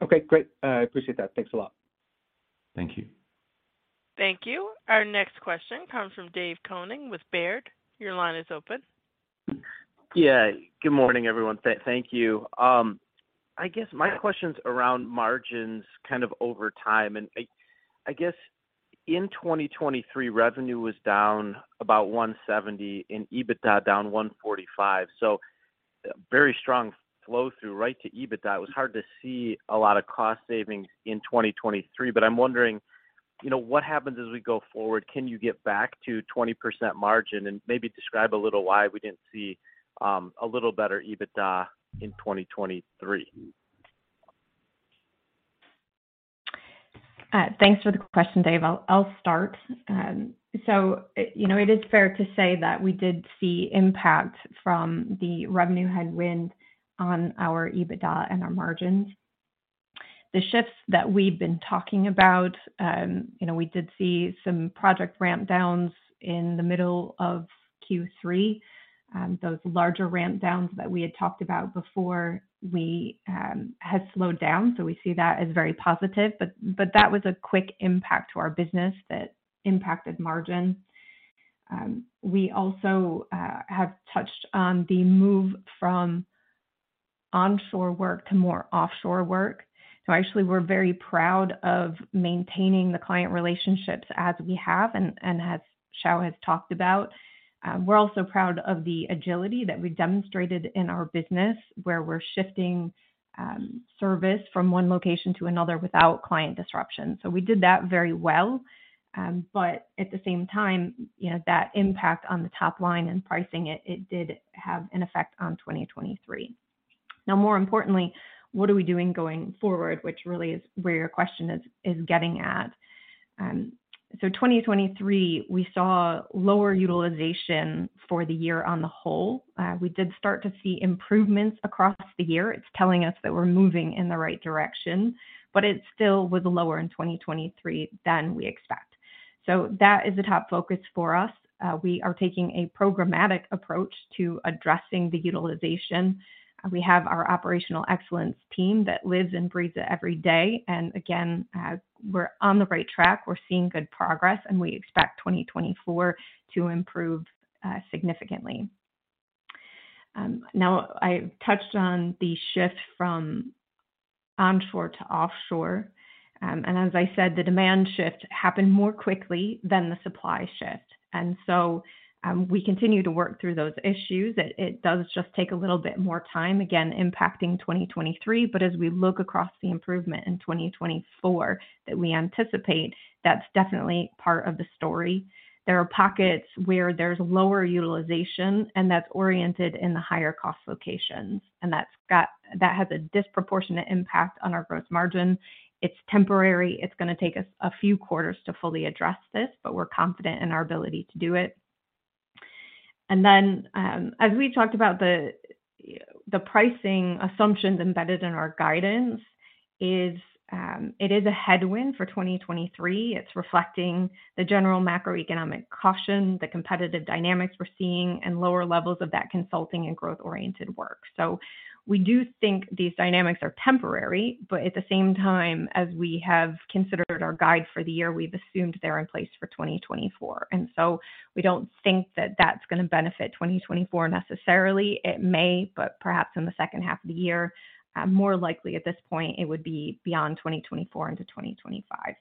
Okay. Great. I appreciate that. Thanks a lot. Thank you. Thank you. Our next question comes from Dave Koning with Baird. Your line is open. Yeah. Good morning, everyone. Thank you. I guess my question's around margins kind of over time. In 2023, revenue was down about $170 and EBITDA down $145. Very strong flow-through right to EBITDA. It was hard to see a lot of cost savings in 2023. I'm wondering, what happens as we go forward? Can you get back to 20% margin and maybe describe a little why we didn't see a little better EBITDA in 2023? Thanks for the question, Dave. I'll start. So it is fair to say that we did see impact from the revenue headwind on our EBITDA and our margins. The shifts that we've been talking about, we did see some project rampdowns in the middle of Q3. Those larger rampdowns that we had talked about before, we have slowed down. So we see that as very positive. But that was a quick impact to our business that impacted margin. We also have touched on the move from onshore work to more offshore work. So actually, we're very proud of maintaining the client relationships as we have, and as Xiao has talked about. We're also proud of the agility that we've demonstrated in our business where we're shifting service from one location to another without client disruption. So we did that very well. But at the same time, that impact on the top line and pricing, it did have an effect on 2023. Now, more importantly, what are we doing going forward, which really is where your question is getting at. So 2023, we saw lower utilization for the year on the whole. We did start to see improvements across the year. It's telling us that we're moving in the right direction, but it still was lower in 2023 than we expect. So that is the top focus for us. We are taking a programmatic approach to addressing the utilization. We have our operational excellence team that lives and breathes it every day. Again, we're on the right track. We're seeing good progress, and we expect 2024 to improve significantly. Now, I touched on the shift from onshore to offshore. And as I said, the demand shift happened more quickly than the supply shift. And so we continue to work through those issues. It does just take a little bit more time, again, impacting 2023. But as we look across the improvement in 2024 that we anticipate, that's definitely part of the story. There are pockets where there's lower utilization, and that's oriented in the higher-cost locations. And that has a disproportionate impact on our gross margin. It's temporary. It's going to take us a few quarters to fully address this, but we're confident in our ability to do it. And then, as we talked about, the pricing assumptions embedded in our guidance. It is a headwind for 2023. It's reflecting the general macroeconomic caution, the competitive dynamics we're seeing, and lower levels of that consulting and growth-oriented work. So we do think these dynamics are temporary, but at the same time, as we have considered our guide for the year, we've assumed they're in place for 2024. And so we don't think that that's going to benefit 2024 necessarily. It may, but perhaps in the second half of the year. More likely, at this point, it would be beyond 2024 into 2025.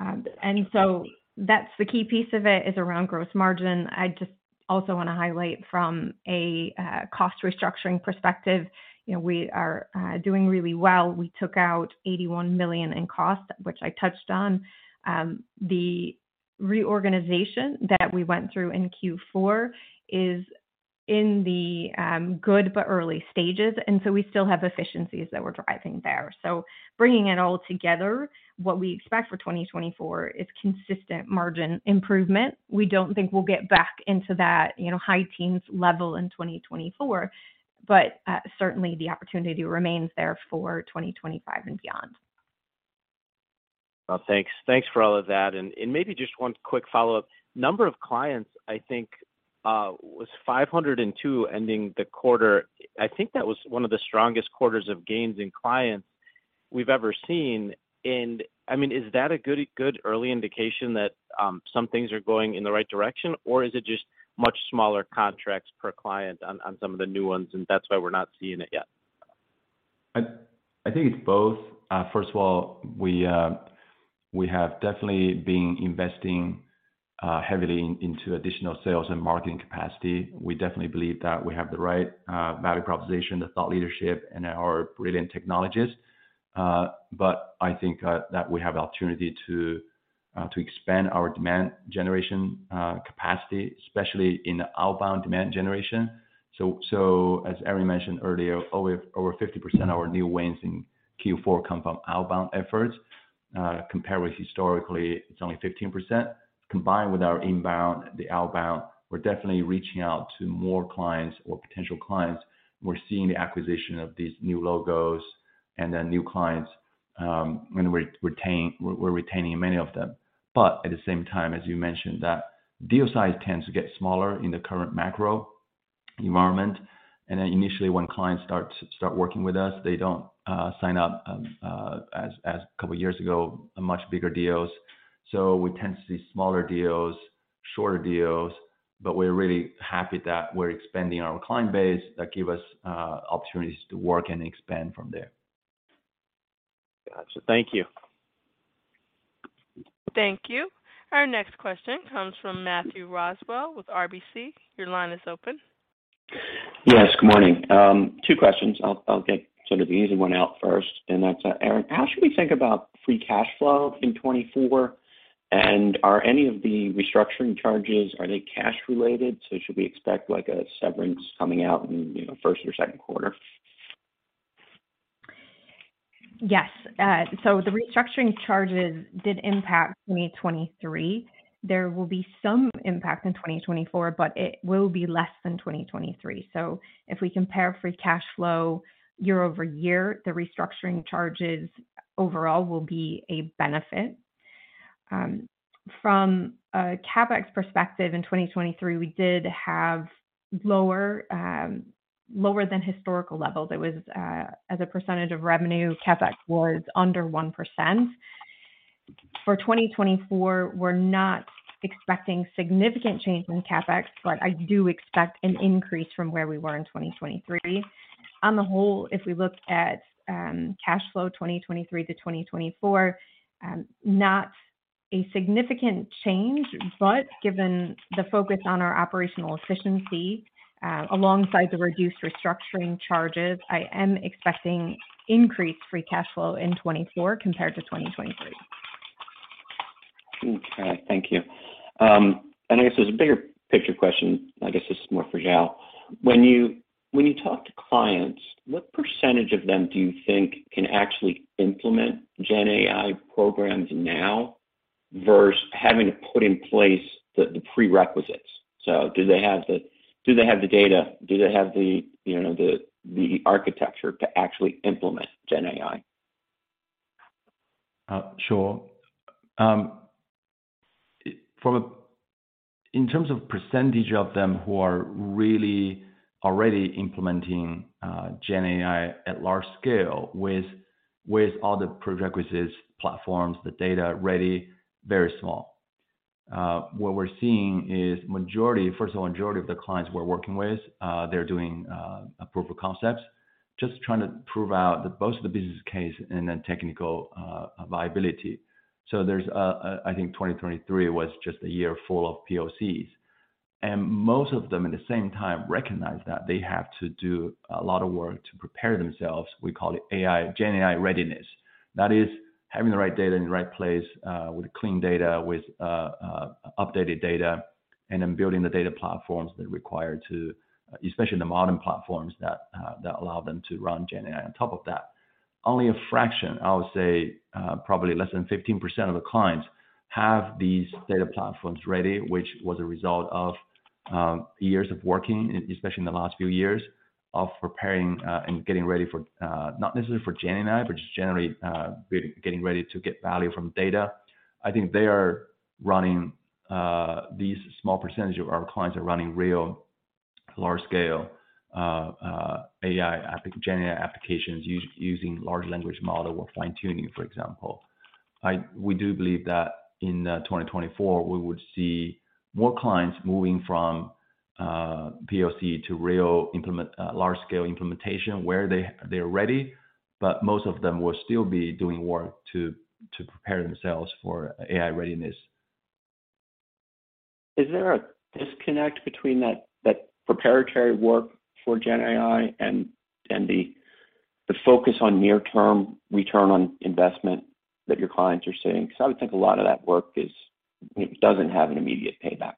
And so that's the key piece of it, is around gross margin. I just also want to highlight from a cost restructuring perspective, we are doing really well. We took out $81 million in cost, which I touched on. The reorganization that we went through in Q4 is in the good but early stages. And so we still have efficiencies that we're driving there. So bringing it all together, what we expect for 2024 is consistent margin improvement. We don't think we'll get back into that high teens level in 2024, but certainly, the opportunity remains there for 2025 and beyond. Well, thanks. Thanks for all of that. Maybe just one quick follow-up. Number of clients, I think, was 502 ending the quarter. I think that was one of the strongest quarters of gains in clients we've ever seen. And I mean, is that a good early indication that some things are going in the right direction, or is it just much smaller contracts per client on some of the new ones, and that's why we're not seeing it yet? I think it's both. First of all, we have definitely been investing heavily into additional sales and marketing capacity. We definitely believe that we have the right value proposition, the thought leadership, and our brilliant technologists. But I think that we have the opportunity to expand our demand generation capacity, especially in the outbound demand generation. So as Erin mentioned earlier, over 50% of our new wins in Q4 come from outbound efforts. Compared with historically, it's only 15%. Combined with our inbound, the outbound, we're definitely reaching out to more clients or potential clients. We're seeing the acquisition of these new logos and then new clients, and we're retaining many of them. But at the same time, as you mentioned, that deal size tends to get smaller in the current macro environment. And then initially, when clients start working with us, they don't sign up, as a couple of years ago, much bigger deals. So we tend to see smaller deals, shorter deals, but we're really happy that we're expanding our client base that gives us opportunities to work and expand from there. Gotcha. Thank you. Thank you. Our next question comes from Matthew Roswell with RBC. Your line is open. Yes. Good morning. Two questions. I'll get sort of the easy one out first. And that's, Erin, how should we think about free cash flow in 2024? And are any of the restructuring charges, are they cash-related? So should we expect a severance coming out in first or second quarter? Yes. So the restructuring charges did impact 2023. There will be some impact in 2024, but it will be less than 2023. So if we compare free cash flow year-over-year, the restructuring charges overall will be a benefit. From a CapEx perspective, in 2023, we did have lower than historical levels. As a percentage of revenue, CapEx was under 1%. For 2024, we're not expecting significant change in CapEx, but I do expect an increase from where we were in 2023. On the whole, if we look at cash flow 2023 to 2024, not a significant change, but given the focus on our operational efficiency alongside the reduced restructuring charges, I am expecting increased free cash flow in 2024 compared to 2023. Okay. Thank you. I guess there's a bigger picture question. I guess this is more for Xiao. When you talk to clients, what percentage of them do you think can actually implement GenAI programs now versus having to put in place the prerequisites? So do they have the data? Do they have the architecture to actually implement GenAI? Sure. In terms of percentage of them who are really already implementing GenAI at large scale with all the prerequisites, platforms, the data ready, very small. What we're seeing is, first of all, the majority of the clients we're working with, they're doing proof of concepts, just trying to prove out both the business case and then technical viability. So I think 2023 was just a year full of POCs. And most of them, at the same time, recognize that they have to do a lot of work to prepare themselves. We call it GenAI readiness. That is having the right data in the right place with clean data, with updated data, and then building the data platforms that are required to, especially the modern platforms that allow them to run GenAI on top of that. Only a fraction, I would say, probably less than 15% of the clients have these data platforms ready, which was a result of years of working, especially in the last few years, of preparing and getting ready for not necessarily for GenAI, but just generally getting ready to get value from data. I think they are running these small percentage of our clients are running real large-scale GenAI applications using large language model or fine-tuning, for example. We do believe that in 2024, we would see more clients moving from POC to real large-scale implementation where they're ready, but most of them will still be doing work to prepare themselves for AI readiness. Is there a disconnect between that preparatory work for GenAI and the focus on near-term return on investment that your clients are seeing? Because I would think a lot of that work doesn't have an immediate payback.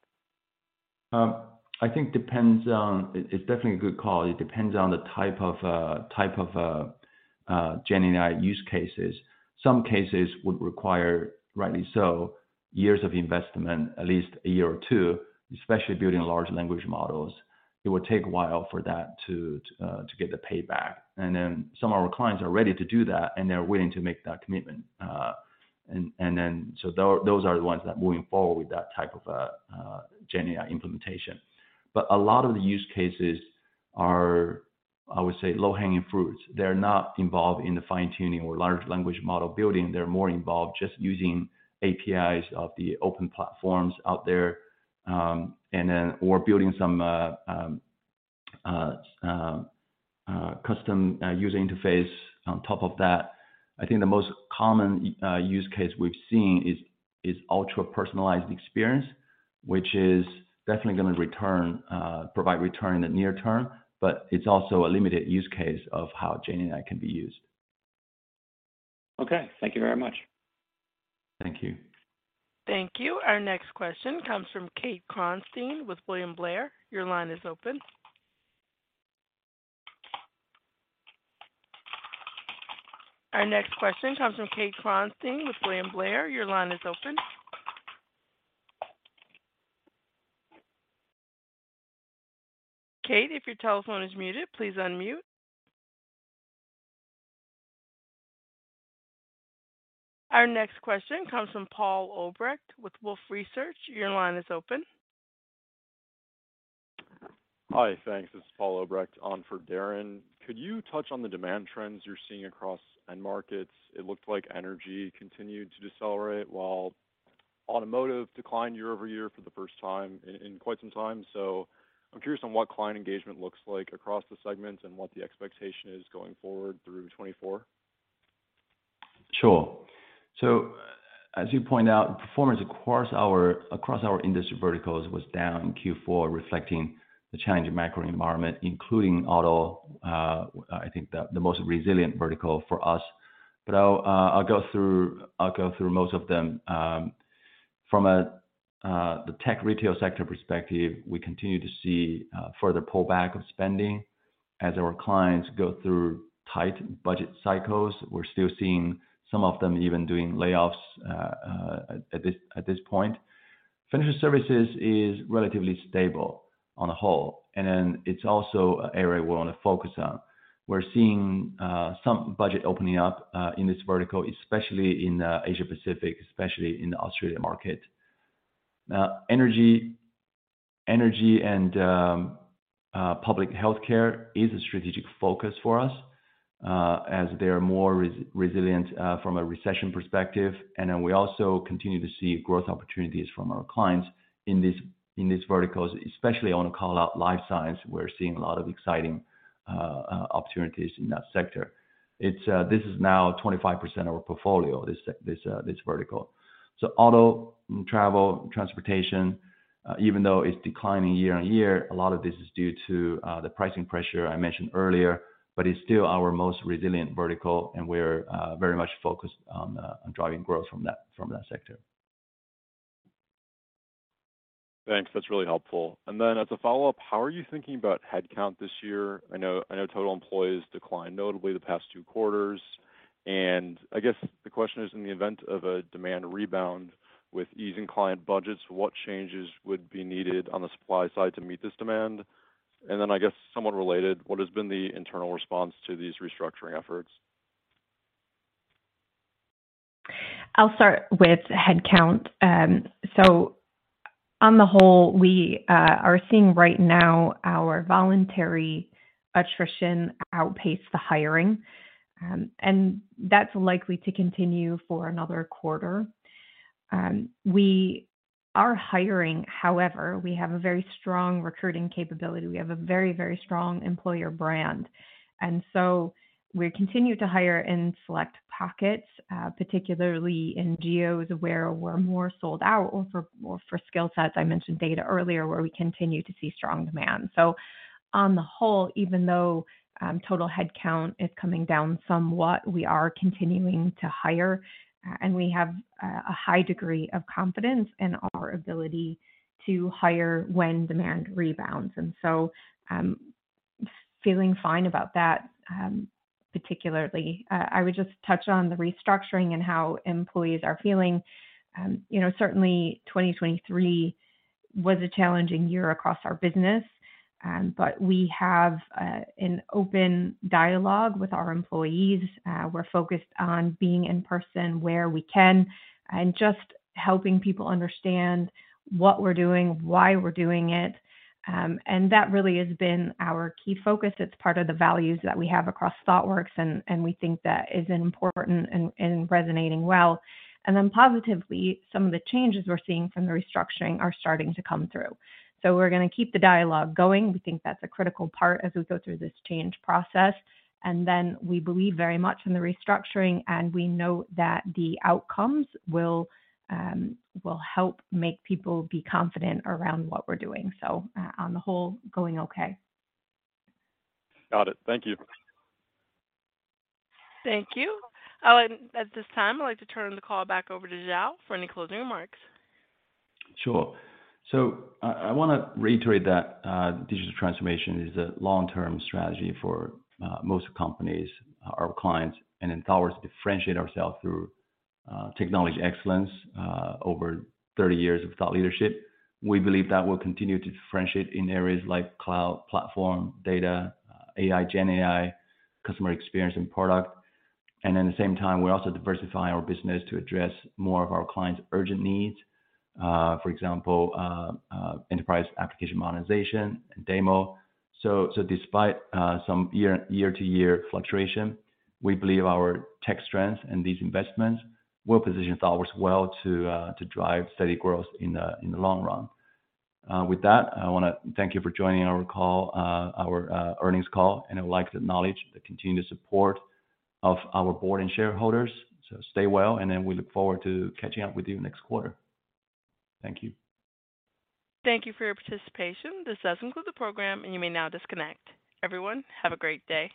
I think it's definitely a good call. It depends on the type of GenAI use cases. Some cases would require, rightly so, years of investment, at least a year or two, especially building large language models. It would take a while for that to get the payback. And then some of our clients are ready to do that, and they're willing to make that commitment. And then so those are the ones that are moving forward with that type of GenAI implementation. But a lot of the use cases are, I would say, low-hanging fruits. They're not involved in the fine-tuning or large language model building. They're more involved just using APIs of the open platforms out there or building some custom user interface on top of that. I think the most common use case we've seen is ultra-personalized experience, which is definitely going to provide return in the near term, but it's also a limited use case of how GenAI can be used. Okay. Thank you very much. Thank you. Thank you. Our next question comes from Kate Kronstein with William Blair. Your line is open. Our next question comes from Kate Kronstein with William Blair. Your line is open. Kate, if your telephone is muted, please unmute. Our next question comes from Paul Obrecht with Wolfe Research. Your line is open. Hi. Thanks. This is Paul Obrecht on for Darrin. Could you touch on the demand trends you're seeing across end markets? It looked like energy continued to decelerate while automotive declined year-over-year for the first time in quite some time. So I'm curious on what client engagement looks like across the segments and what the expectation is going forward through 2024. Sure. So as you point out, performance across our industry verticals was down in Q4, reflecting the challenge of the macro environment, including auto, I think the most resilient vertical for us. But I'll go through most of them. From the tech retail sector perspective, we continue to see further pullback of spending as our clients go through tight budget cycles. We're still seeing some of them even doing layoffs at this point. Financial services is relatively stable on the whole. And then it's also an area we want to focus on. We're seeing some budget opening up in this vertical, especially in Asia-Pacific, especially in the Australian market. Energy and public healthcare is a strategic focus for us as they are more resilient from a recession perspective. And then we also continue to see growth opportunities from our clients in these verticals, especially I want to call out life science. We're seeing a lot of exciting opportunities in that sector. This is now 25% of our portfolio, this vertical. So auto, travel, transportation, even though it's declining year-on-year, a lot of this is due to the pricing pressure I mentioned earlier, but it's still our most resilient vertical, and we're very much focused on driving growth from that sector. Thanks. That's really helpful. And then as a follow-up, how are you thinking about headcount this year? I know total employees declined notably the past two quarters. And I guess the question is, in the event of a demand rebound with easing client budgets, what changes would be needed on the supply side to meet this demand? And then I guess somewhat related, what has been the internal response to these restructuring efforts? I'll start with headcount. So on the whole, we are seeing right now our voluntary attrition outpace the hiring. And that's likely to continue for another quarter. Our hiring, however, we have a very strong recruiting capability. We have a very, very strong employer brand. And so we continue to hire in select pockets, particularly in geos where we're more sold out or for skill sets. I mentioned data earlier where we continue to see strong demand. So on the whole, even though total headcount is coming down somewhat, we are continuing to hire. And we have a high degree of confidence in our ability to hire when demand rebounds. And so feeling fine about that, particularly. I would just touch on the restructuring and how employees are feeling. Certainly, 2023 was a challenging year across our business. But we have an open dialogue with our employees. We're focused on being in person where we can and just helping people understand what we're doing, why we're doing it. And that really has been our key focus. It's part of the values that we have across Thoughtworks, and we think that is important and resonating well. And then positively, some of the changes we're seeing from the restructuring are starting to come through. So we're going to keep the dialogue going. We think that's a critical part as we go through this change process. And then we believe very much in the restructuring, and we know that the outcomes will help make people be confident around what we're doing. So on the whole, going okay. Got it. Thank you. Thank you. At this time, I'd like to turn the call back over to Xiao for any closing remarks. Sure. So I want to reiterate that digital transformation is a long-term strategy for most companies, our clients. And in ours, we differentiate ourselves through technology excellence over 30 years of thought leadership. We believe that will continue to differentiate in areas like cloud, platform, data, AI, GenAI, customer experience, and product. And at the same time, we also diversify our business to address more of our clients' urgent needs, for example, enterprise application modernization and DAMO. So despite some year-to-year fluctuation, we believe our tech strengths and these investments will position Thoughtworks well to drive steady growth in the long run. With that, I want to thank you for joining our earnings call, and I would like to acknowledge the continued support of our board and shareholders. So stay well, and then we look forward to catching up with you next quarter. Thank you. Thank you for your participation. This does conclude the program, and you may now disconnect. Everyone, have a great day.